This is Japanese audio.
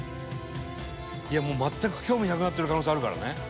「もう全く興味なくなってる可能性あるからね」